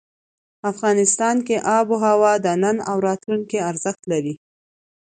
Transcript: افغانستان کې آب وهوا د نن او راتلونکي ارزښت لري.